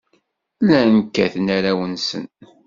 Llan kkaten arraw-nsen.